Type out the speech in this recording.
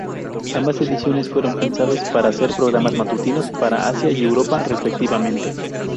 Ambas ediciones fueron pensados para ser programas matutinos para Asia y Europa, respectivamente.